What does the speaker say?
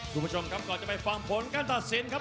คุณผู้ชมครับก่อนจะไปฟังผลการตัดสินครับ